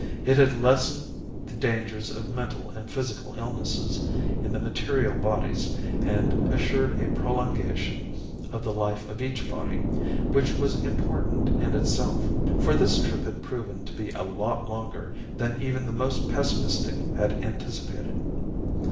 It had lessened the dangers of mental and physical illnesses in the material bodies and assured a prolongation of the life of each body, which was important in itself, for this trip had proven to be a lot longer than even the most pessimistic had anticipated.